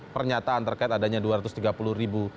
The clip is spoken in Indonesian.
pernyataan terkait adanya dua ratus tiga puluh ribu